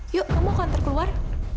yuk kamu mau kontur keluar